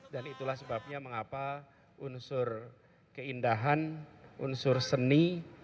dan itulah sebabnya mengapa unsur keindahan unsur seni